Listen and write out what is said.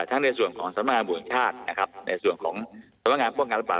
ทั้งในส่วนของสำหรับงานบุญชาตินะครับในส่วนของสำหรับงานพ่องานรับปลา